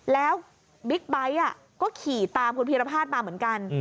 แล้วบิ๊กบไร้ก็ขี่ตามคุณภีรพาสมาเหมือนกัน